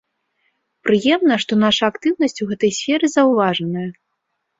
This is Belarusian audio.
Прыемна, што наша актыўнасць у гэтай сферы заўважаная.